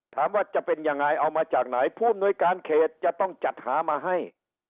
ว่าจะเป็นยังไงเอามาจากไหนผู้อำนวยการเขตจะต้องจัดหามาให้